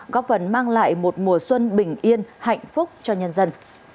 góp phần mang lại một mùa xuân bình yên hạnh phúc cho nhân dân